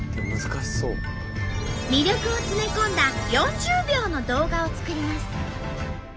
魅力を詰め込んだ４０秒の動画を作ります。